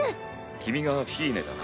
君がフィーネだな。